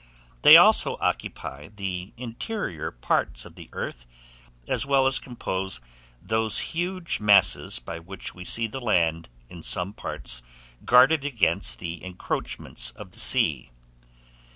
They also occupy the interior parts of the earth, as well as compose those huge masses by which we see the land in some parts guarded against the encroachments of the sea.